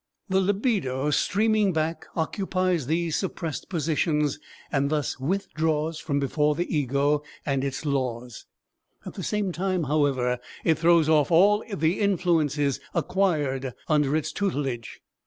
The libido, streaming back, occupies these suppressed positions and thus withdraws from before the ego and its laws. At the same time, however, it throws off all the influences acquired under its tutelage.